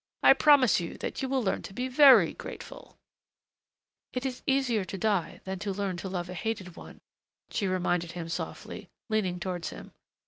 I promise you that you will learn to be very grateful " "It is easier to die than to learn to love a hated one," she reminded him softly, leaning towards him.